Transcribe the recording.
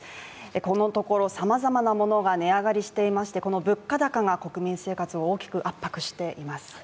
このところ、さまざまなものが値上がりしていましてこの物価高が国民生活を大きく圧迫しています。